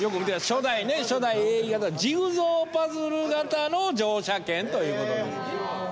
初代ね初代ＡＥ形のジグソーパズル型の乗車券ということです。